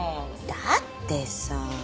だってさ。